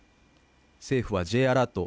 政府はＪアラート＝